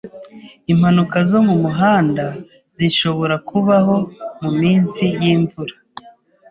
Impanuka zo mumuhanda zishobora kubaho muminsi yimvura.